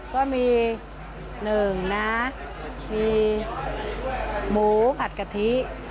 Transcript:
ก็มีหนึ่งนะมีหมูผัดกะทิ